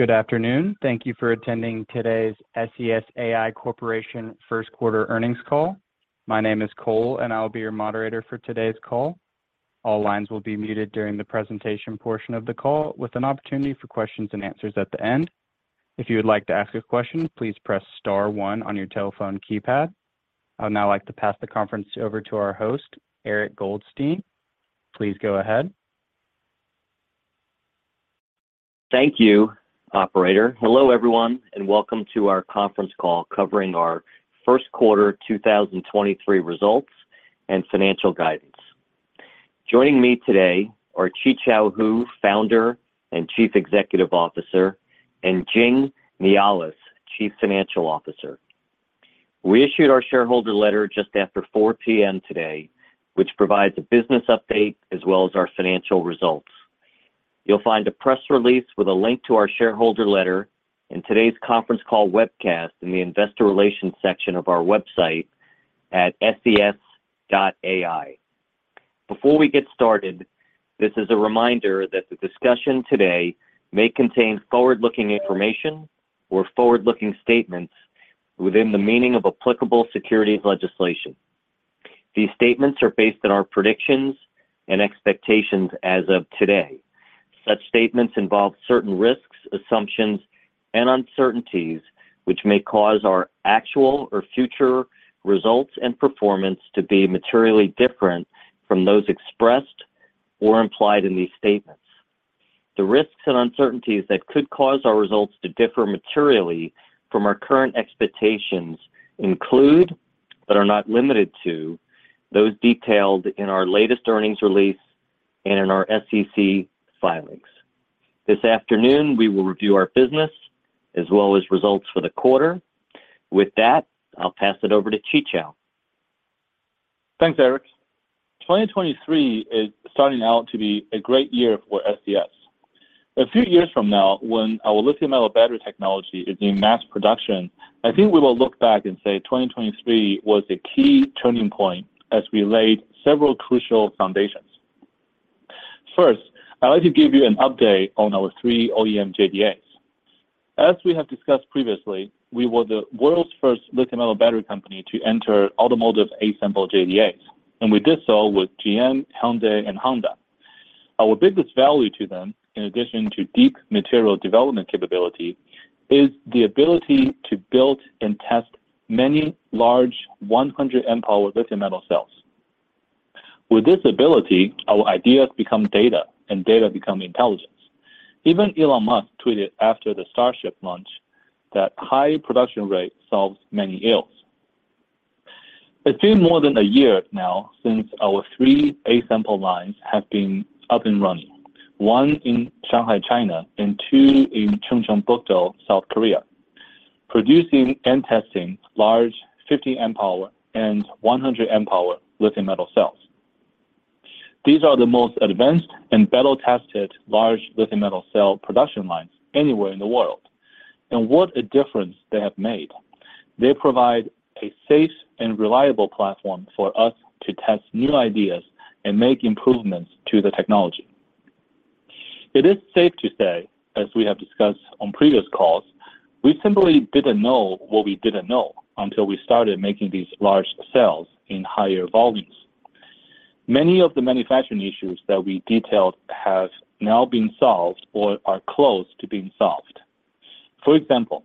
Good afternoon. Thank you for attending today's SES AI Corporation Q1 Earnings Call. My name is Cole. I will be your moderator for today's call. All lines will be muted during the presentation portion of the call, with an opportunity for questions and answers at the end. If you would like to ask a question, please press star one on your telephone keypad. I would now like to pass the conference over to our host, Eric Goldstein. Please go ahead. Thank you, operator. Hello, everyone, and welcome to our conference call covering our Q1 2023 results and financial guidance. Joining me today are Qichao Hu, Founder and Chief Executive Officer, and Jing Nealis, Chief Financial Officer. We issued our shareholder letter just after 4:00 P.M. today, which provides a business update as well as our financial results. You'll find a press release with a link to our shareholder letter in today's conference call webcast in the investor relations section of our website at ses.ai. Before we get started, this is a reminder that the discussion today may contain forward-looking information or forward-looking statements within the meaning of applicable securities legislation. These statements are based on our predictions and expectations as of today. Such statements involve certain risks, assumptions, and uncertainties which may cause our actual or future results and performance to be materially different from those expressed or implied in these statements. The risks and uncertainties that could cause our results to differ materially from our current expectations include, but are not limited to, those detailed in our latest earnings release and in our SEC filings. This afternoon, we will review our business as well as results for the quarter. With that, I'll pass it over to Qichao. Thanks, Eric. 2023 is starting out to be a great year for SES. A few years from now, when our lithium metal battery technology is in mass production, I think we will look back and say, 2023 was a key turning point as we laid several crucial foundations. First, I'd like to give you an update on our three OEM JDAs. As we have discussed previously, we were the world's first lithium metal battery company to enter automotive A-sample JDAs, and we did so with GM, Hyundai and Honda. Our biggest value to them, in addition to deep material development capability, is the ability to build and test many large 100 amp hour lithium metal cells. With this ability, our ideas become data, and data become intelligence. Even Elon Musk tweeted after the Starship launch that high production rate solves many ills. It's been more than a year now since our 3 A-sample lines have been up and running. One in Shanghai, China, and two in Chungcheongbuk-do, South Korea, producing and testing large 50 amp hour and 100 amp hour lithium metal cells. These are the most advanced and battle-tested large lithium metal cell production lines anywhere in the world. What a difference they have made. They provide a safe and reliable platform for us to test new ideas and make improvements to the technology. It is safe to say, as we have discussed on previous calls, we simply didn't know what we didn't know until we started making these large cells in higher volumes. Many of the manufacturing issues that we detailed have now been solved or are close to being solved. For example,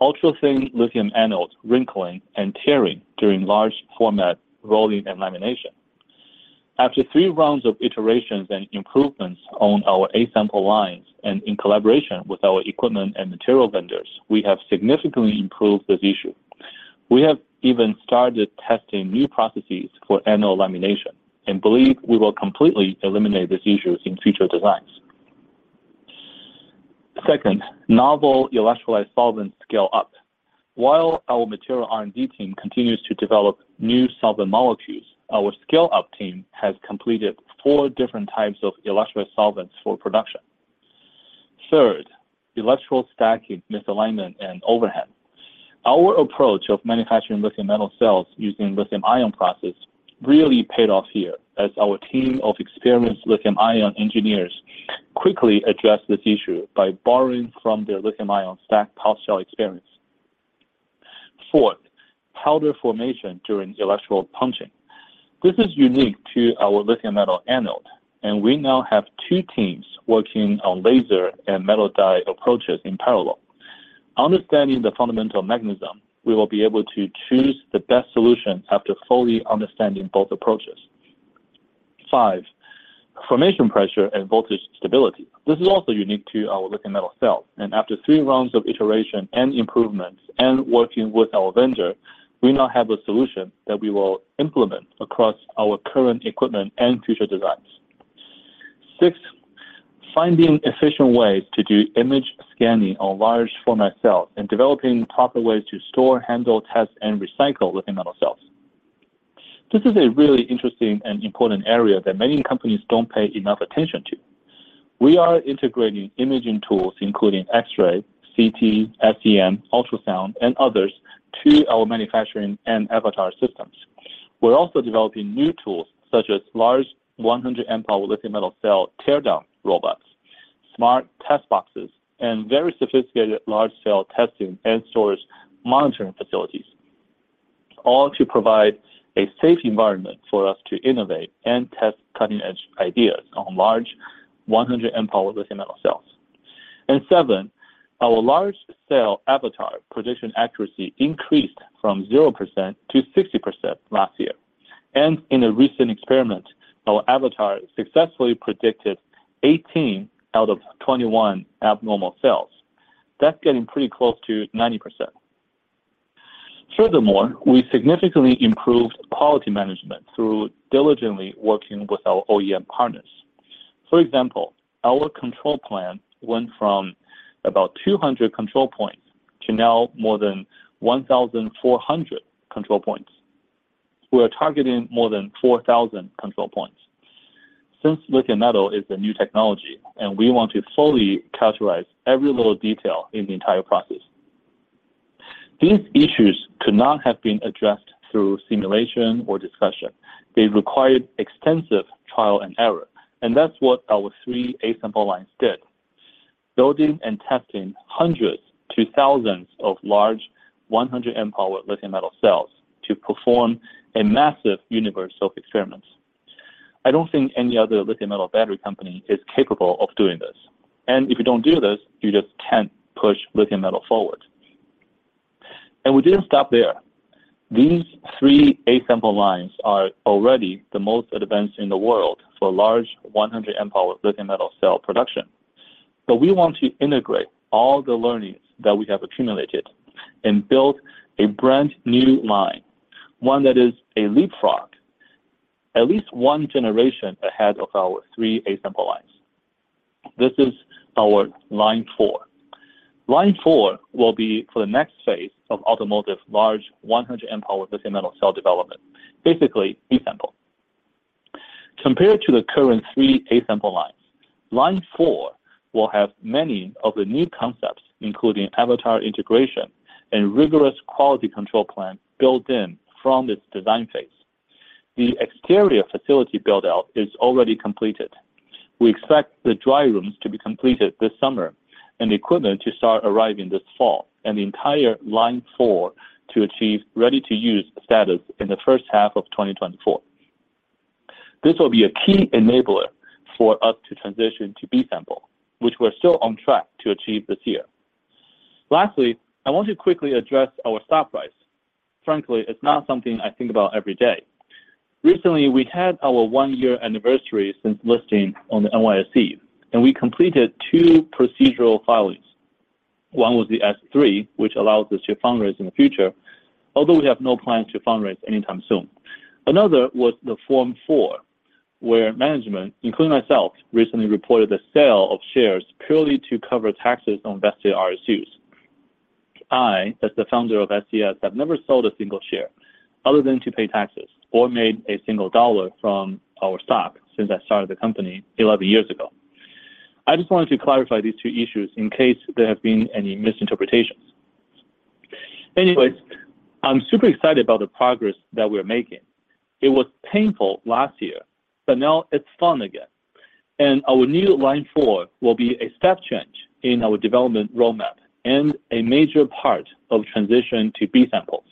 ultra-thin lithium anodes wrinkling and tearing during large format rolling and lamination. After three rounds of iterations and improvements on our A-sample lines and in collaboration with our equipment and material vendors, we have significantly improved this issue. We have even started testing new processes for anode lamination and believe we will completely eliminate these issues in future designs. Second, novel electrolyte solvents scale-up. While our material R&D team continues to develop new solvent molecules, our scale-up team has completed four different types of electrolyte solvents for production. Third, electrode stacking misalignment and overhead. Our approach of manufacturing lithium metal cells using lithium-ion process really paid off here as our team of experienced lithium-ion engineers quickly addressed this issue by borrowing from their lithium-ion stacked pouch cell experience. Fourth, powder formation during electrode punching. This is unique to our lithium metal anode, and we now have two teams working on laser and metal die approaches in parallel. Understanding the fundamental mechanism, we will be able to choose the best solutions after fully understanding both approaches. Five, formation pressure and voltage stability. This is also unique to our lithium metal cell, and after three rounds of iteration and improvements and working with our vendor, we now have a solution that we will implement across our current equipment and future designs. Six, finding efficient ways to do image scanning on large format cells and developing proper ways to store, handle, test, and recycle lithium metal cells. This is a really interesting and important area that many companies don't pay enough attention to. We are integrating imaging tools, including X-ray, CT, SEM, ultrasound, and others to our manufacturing and Avatar systems. We're also developing new tools such as large 100 amp hour lithium metal cell teardown robots, smart test boxes, and very sophisticated large cell testing and storage monitoring facilities, all to provide a safe environment for us to innovate and test cutting-edge ideas on large 100 amp hour lithium metal cells. Seven, our large cell Avatar prediction accuracy increased from 0% to 60% last year. In a recent experiment, our Avatar successfully predicted 18 out of 21 abnormal cells. That's getting pretty close to 90%. Furthermore, we significantly improved quality management through diligently working with our OEM partners. For example, our control plan went from about 200 control points to now more than 1,400 control points. We are targeting more than 4,000 control points since lithium metal is a new technology. We want to fully characterize every little detail in the entire process. These issues could not have been addressed through simulation or discussion. They required extensive trial and error. That's what our 3 A-sample lines did, building and testing hundreds to thousands of large 100 amp hour lithium metal cells to perform a massive universe of experiments. I don't think any other lithium-metal battery company is capable of doing this. If you don't do this, you just can't push lithium metal forward. We didn't stop there. These 3 A-sample lines are already the most advanced in the world for large 100 amp hour lithium metal cell production. We want to integrate all the learnings that we have accumulated and build a brand-new line, one that is a leapfrog at least one generation ahead of our three A-sample lines. This is our line four. line four will be for the next phase of automotive large 100 amp hour lithium metal cell development. Basically, A-sample. Compared to the current 3 A-sample lines, line four will have many of the new concepts, including Avatar integration and rigorous quality control plan built in from its design phase. The exterior facility build-out is already completed. We expect the dry rooms to be completed this summer and the equipment to start arriving this fall, and the entire line four to achieve ready-to-use status in the first half of 2024. This will be a key enabler for us to transition to B-sample, which we're still on track to achieve this year. Lastly, I want to quickly address our stock price. Frankly, it's not something I think about every day. Recently, we had our one-year anniversary since listing on the NYSE, and we completed two procedural filings. One was the S-3, which allows us to fundraise in the future, although we have no plan to fundraise anytime soon. Another was the Form 4, where management, including myself, recently reported the sale of shares purely to cover taxes on vested RSUs. I, as the founder of SES, have never sold a single share other than to pay taxes or made a single dollar from our stock since I started the company 11 years ago. I just wanted to clarify these two issues in case there have been any misinterpretations. Anyways, I'm super excited about the progress that we're making. It was painful last year, but now it's fun again. Our new line four will be a step change in our development roadmap and a major part of transition to B-samples.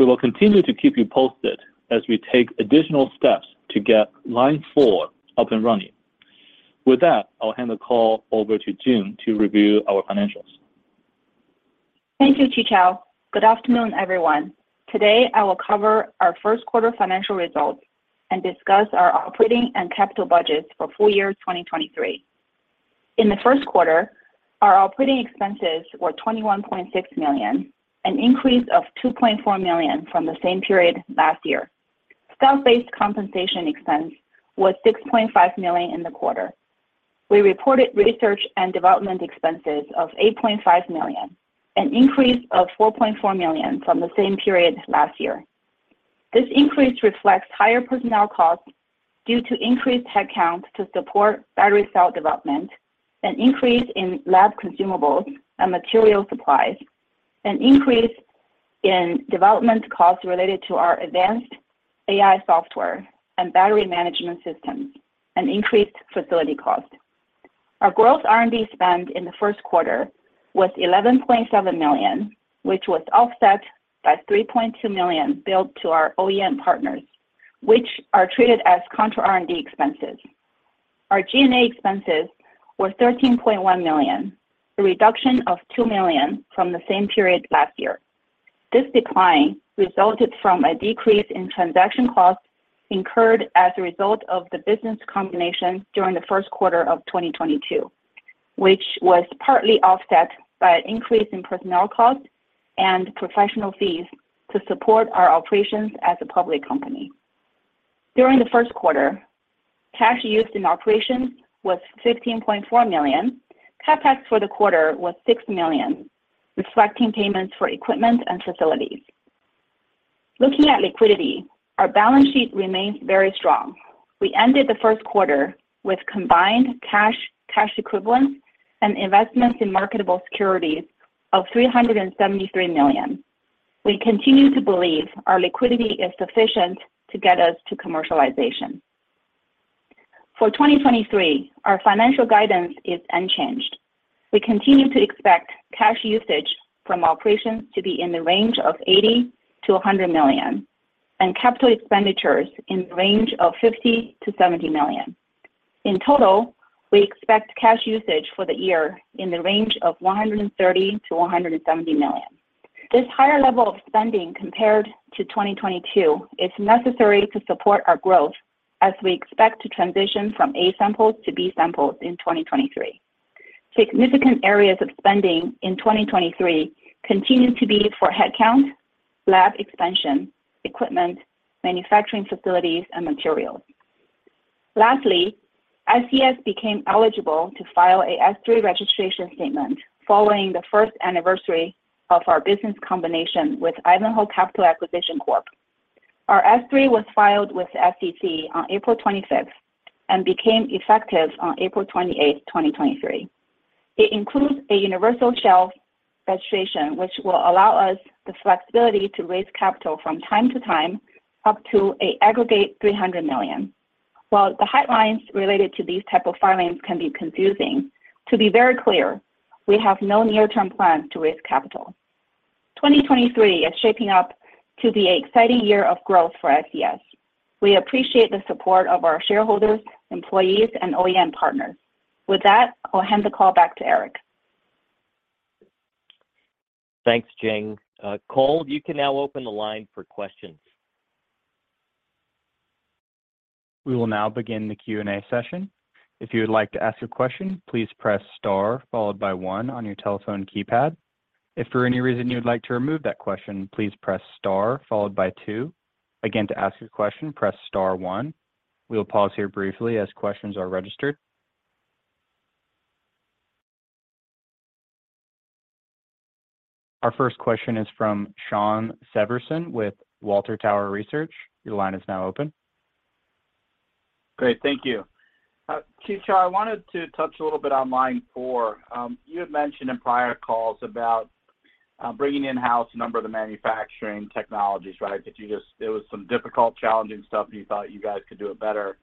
We will continue to keep you posted as we take additional steps to get line four up and running. With that, I'll hand the call over to Jing to review our financials. Thank you, Qichao. Good afternoon, everyone. Today, I will cover our Q1 financial results and discuss our operating and capital budgets for full year 2023. In Q1, our operating expenses were $21.6, an increase of 2.4 million from the same period last year. Stock-based compensation expense was $6.5 million in the quarter. We reported research and development expenses of $8.5 an increase of 4.4 million from the same period last year. This increase reflects higher personnel costs due to increased head count to support battery cell development, an increase in lab consumables and material supplies, an increase in development costs related to our advanced AI software and battery management systems, and increased facility cost. Our gross R&D spend in Q1 was $11.7 million, which was offset by 3.2 million billed to our OEM partners, which are treated as contra R&D expenses. Our G&A expenses were $13.1 million, a reduction of 2 million from the same period last year. This decline resulted from a decrease in transaction costs incurred as a result of the business combination during Q1 of 2022, which was partly offset by an increase in personnel costs and professional fees to support our operations as a public company. During Q1, cash used in operations was $15.4 million. CapEx for the quarter was $6 million, reflecting payments for equipment and facilities. Looking at liquidity, our balance sheet remains very strong. We ended Q1 with combined cash equivalents, and investments in marketable securities of $373 million. We continue to believe our liquidity is sufficient to get us to commercialization. For 2023, our financial guidance is unchanged. We continue to expect cash usage from operations to be in the range of $80-100 million and capital expenditures in the range of $50-70 million. In total, we expect cash usage for the year in the range of $130-170 million. This higher level of spending compared to 2022 is necessary to support our growth as we expect to transition from A-samples to B-samples in 2023. Significant areas of spending in 2023 continue to be for headcount, lab expansion, equipment, manufacturing facilities, and materials. Lastly, SES became eligible to file a S-3 registration statement following the first anniversary of our business combination with Ivanhoe Capital Acquisition Corp. Our S-3 was filed with the SEC on April 25 and became effective on April 28, 2023. It includes a universal shelf registration, which will allow us the flexibility to raise capital from time to time, up to an aggregate $300 million. While the headlines related to these type of filings can be confusing, to be very clear, we have no near-term plans to raise capital. 2023 is shaping up to be an exciting year of growth for SES. We appreciate the support of our shareholders, employees, and OEM partners. With that, I'll hand the call back to Eric. Thanks, Jing. Cole, you can now open the line for questions. We will now begin the Q&A session. If you would like to ask a question, please press star followed by one on your telephone keypad. If for any reason you'd like to remove that question, please press star followed by two. Again, to ask a question, press star one. We will pause here briefly as questions are registered. Our first question is from Shawn Severson with Water Tower Research. Your line is now open. Great. Thank you. Qichao, I wanted to touch a little bit on line four. You had mentioned in prior calls about bringing in-house a number of the manufacturing technologies, right? That there was some difficult challenging stuff, and you thought you guys could do it better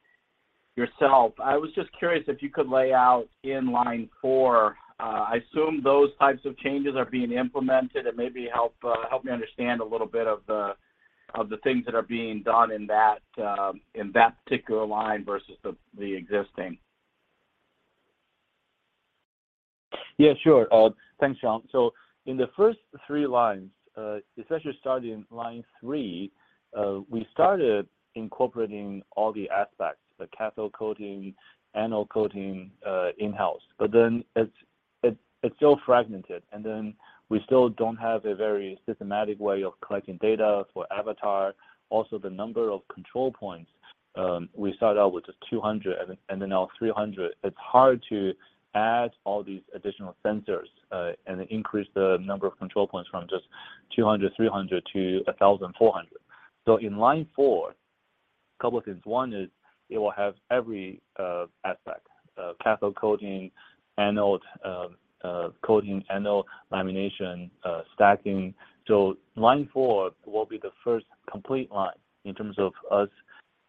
yourself. I was just curious if you could lay out in line four, I assume those types of changes are being implemented, and maybe help me understand a little bit of the, of the things that are being done in that, in that particular line versus the existing. Yeah, sure. Thanks, Shawn. In the first 3 lines, especially starting line 3, we started incorporating all the aspects, the cathode coating, anode coating, in-house. It's still fragmented, we still don't have a very systematic way of collecting data for Avatar. Also, the number of control points, we started out with just 200 and then now 300. It's hard to add all these additional sensors and increase the number of control points from just 200, 300 to 1,400. In line four, a couple of things. One is it will have every aspect, cathode coating, anode coating, anode lamination, stacking. Line four will be the first complete line in terms of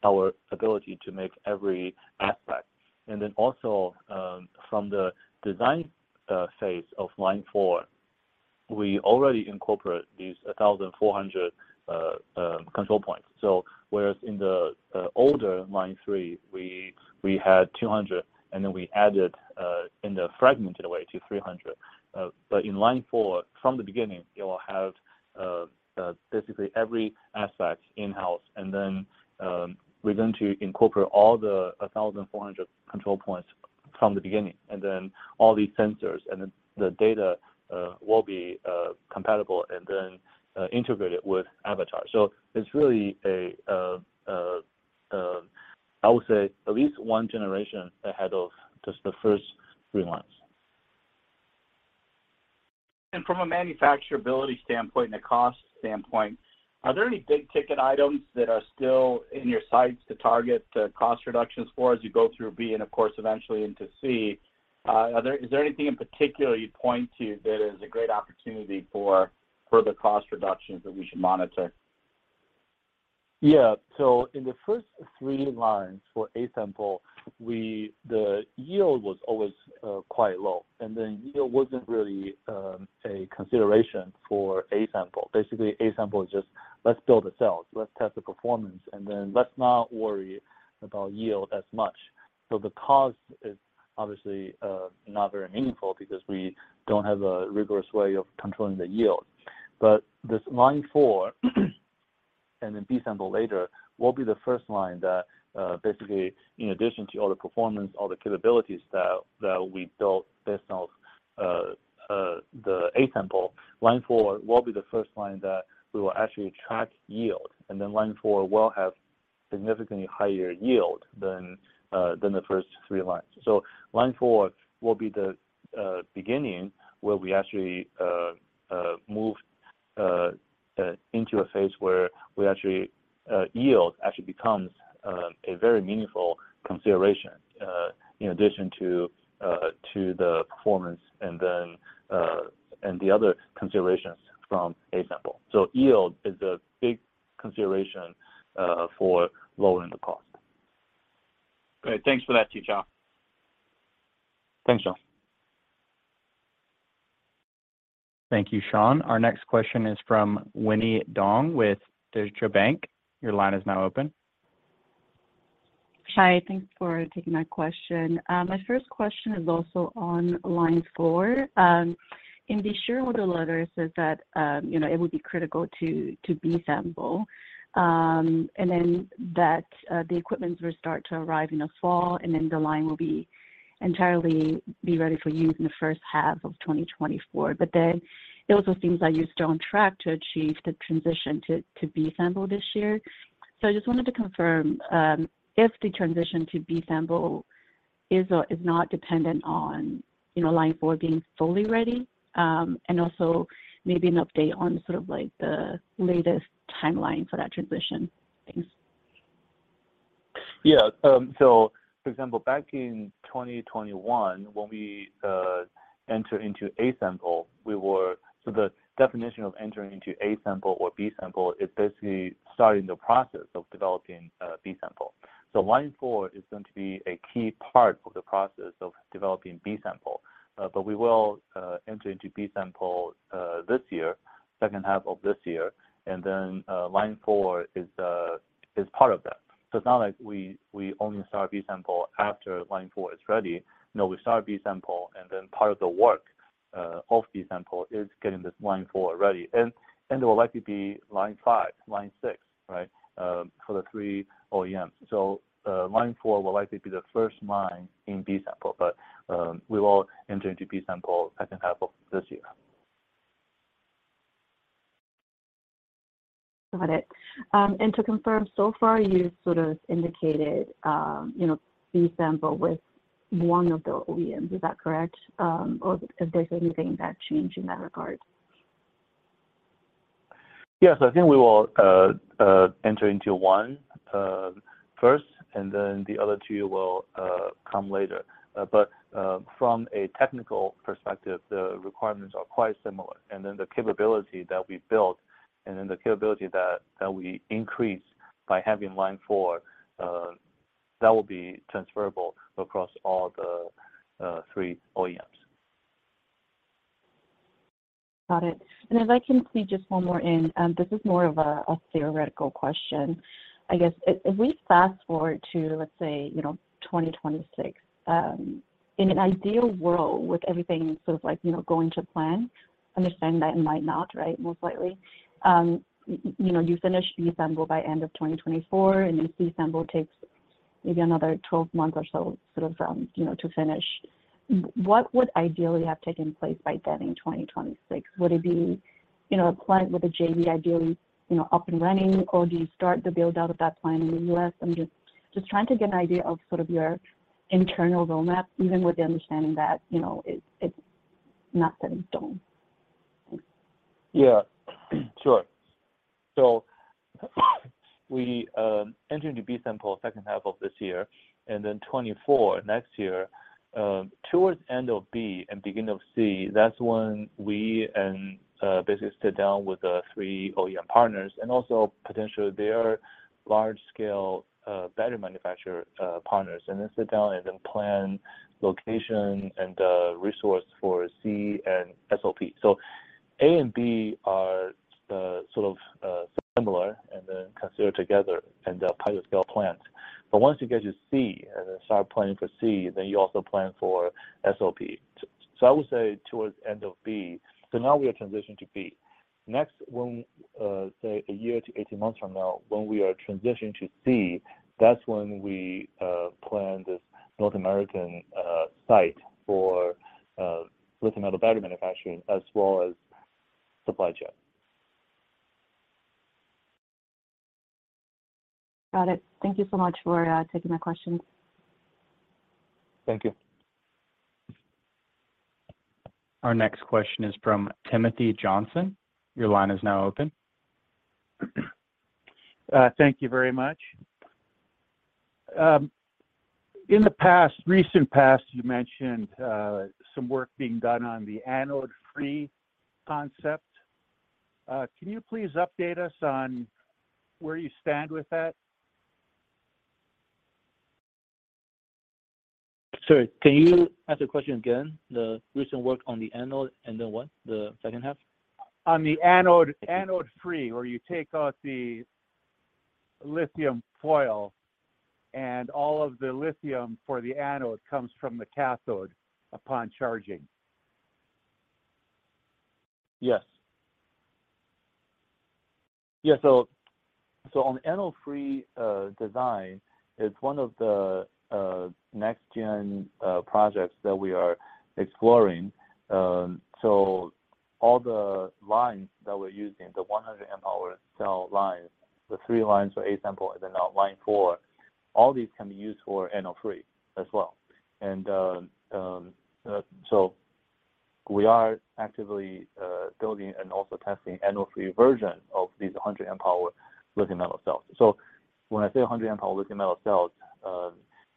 our ability to make every aspect. Also, from the design phase of line four, we already incorporate these 1,400 control points. Whereas in the older line three, we had 200, and then we added in a fragmented way to 300. In line four, from the beginning, it will have basically every aspect in-house. We're going to incorporate all the 1,400 control points from the beginning, and then all these sensors and the data will be compatible and then integrated with Avatar. It's really a, I would say at least one generation ahead of just the first three lines. From a manufacturability standpoint and a cost standpoint, are there any big-ticket items that are still in your sights to target cost reductions for as you go through B and of course eventually into C? Is there anything in particular you'd point to that is a great opportunity for further cost reductions that we should monitor? In the first three lines for A sample, the yield was always quite low, the yield wasn't really a consideration for A sample. Basically, A sample is just, let's build a cell, let's test the performance, let's not worry about yield as much. The cost is obviously not very meaningful because we don't have a rigorous way of controlling the yield. This line four and then B sample later will be the first line that basically in addition to all the performance, all the capabilities that we built based on the A sample, line four will be the first line that we will actually track yield. Line four will have significantly higher yield than the first three lines. line four will be the beginning where we actually move into a phase where we actually yield actually becomes a very meaningful consideration in addition to the performance and then and the other considerations from a sample. Yield is a big consideration for lowering the cost. Great. Thanks for that too, Qichao. Thanks, Shawn. Thank you, Shawn. Our next question is from Winnie Dong with Deutsche Bank. Your line is now open. Hi. Thanks for taking my question. My first question is also on line four. In the shareholder letter, it says that, you know, it would be critical to B-sample. The equipment will start to arrive in the fall, and then the line will be entirely ready for use in the first half of 2024. It also seems like you're still on track to achieve the transition to B-sample this year. I just wanted to confirm, if the transition to B-sample is or is not dependent on, you know, line four being fully ready. Also maybe an update on sort of like the latest timeline for that transition. Thanks. Yeah. For example, back in 2021, when we entered into A-sample, the definition of entering into A-sample or B-sample is basically starting the process of developing B-sample. line four is going to be a key part of the process of developing B-sample. We will enter into B-sample this year, second half of this year. line four is part of that. It's not like we only start B-sample after line four is ready. No, we start B-sample, part of the work of B-sample is getting this line four ready. There will likely be line five, line six, right, for the 3 OEMs. line four will likely be the first line in B-sample. We will enter into B-sample second half of this year. Got it. To confirm, so far you've sort of indicated, you know, B-sample with one of the OEMs. Is that correct? Or if there's anything that changed in that regard? Yes, I think we will enter into one first, and then the other two will come later. From a technical perspective, the requirements are quite similar. The capability that we built and the capability that we increase by having line four, that will be transferable across all the three OEMs. Got it. If I can squeeze just one more in, this is more of a theoretical question. I guess if we fast-forward to, let's say, you know, 2026, in an ideal world with everything sort of like, you know, going to plan, understanding that it might not, right, most likely, you know, you finish the A-sample by end of 2024, and this A-sample takes maybe another 12 months or so sort of, you know, to finish. What would ideally have taken place by then in 2026? Would it be, you know, a client with a JV ideally, you know, up and running, or do you start the build-out at that time in the U.S.? I'm just trying to get an idea of sort of your internal roadmap, even with the understanding that, you know, it's not set in stone. Yeah. Sure. We enter into B-sample second half of this year, and then 2024 next year. Towards end of B and beginning of C, that's when we basically sit down with the three OEM partners and also potentially their large scale battery manufacturer partners, and then sit down and then plan location and resource for C and SOP. A and B are sort of similar and then considered together in the pilot scale plant. Once you get to C and then start planning for C, then you also plan for SOP. I would say towards end of B. Now we are transitioning to B. Next, when, say one year to 18 months from now, when we are transitioning to C, that's when we plan this North American site for lithium metal battery manufacturing as well as supply chain. Got it. Thank you so much for taking my questions. Thank you. Our next question is from Timothy Johnson. Your line is now open. Thank you very much. In the past, recent past, you mentioned, some work being done on the anode-free concept. Can you please update us on where you stand with that? Sorry, can you ask the question again? The recent work on the anode, and then what, the second half? On the anode-free, where you take out the lithium foil, and all of the lithium for the anode comes from the cathode upon charging. Yes. On the anode-free design, it's one of the next-gen projects that we are exploring. All the lines that we're using, the 100 amp hour cell lines, the three lines for A-sample and then now line four, all these can be used for anode-free as well. We are actively building and also testing anode-free version of these 100 amp hour lithium metal cells. When I say 100 amp hour lithium metal cells,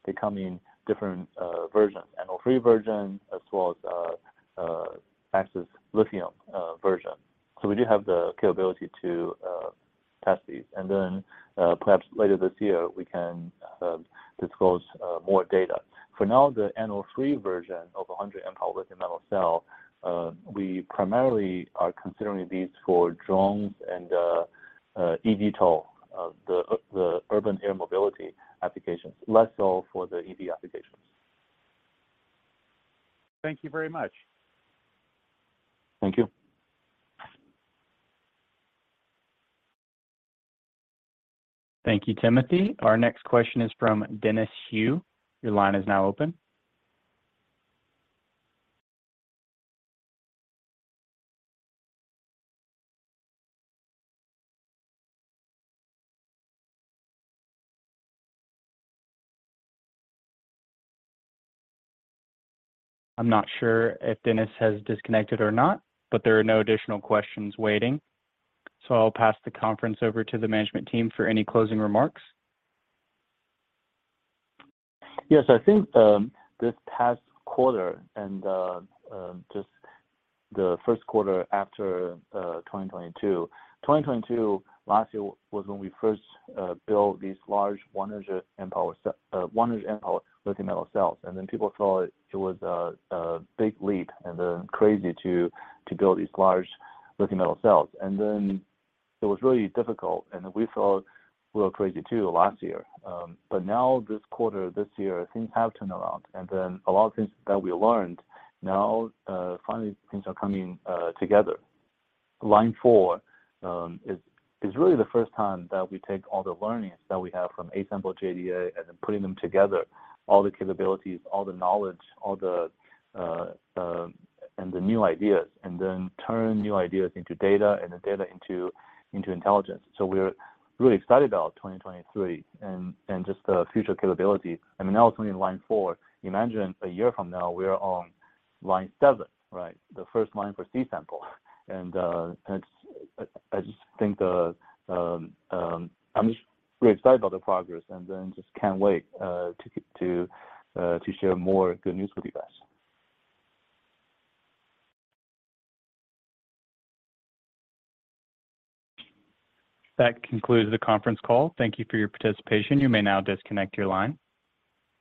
they come in different versions, anode-free version as well as excess lithium version. We do have the capability to test these. Perhaps later this year, we can disclose more data. For now, the anode-free version of a 100 amp hour lithium metal cell, we primarily are considering these for drones and eVTOL, the urban air mobility applications, less so for the EV applications. Thank you very much. Thank you. Thank you, Timothy. Our next question is from Dennis Hugh. Your line is now open. I'm not sure if Dennis has disconnected or not. There are no additional questions waiting, I'll pass the conference over to the management team for any closing remarks. Yes. I think this past quarter and just Q1 after 2022. 2022, last year, was when we first built these large 100 amp hour lithium metal cells. People thought it was a big leap and then crazy to build these large lithium metal cells. It was really difficult, and we thought we were crazy too last year. Now this quarter, this year, things have turned around. A lot of things that we learned, now, finally things are coming together. Line four is really the first time that we take all the learnings that we have from A-sample to JDA, and then putting them together, all the capabilities, all the knowledge, all the new ideas, and then turn new ideas into data, and the data into intelligence. We're really excited about 2023 and just the future capability. I mean, now it's only in line four. Imagine a year from now, we're on line seven, right? The first line for C-sample. I just think I'm just really excited about the progress and then just can't wait to share more good news with you guys. That concludes the conference call. Thank you for your participation. You may now disconnect your line.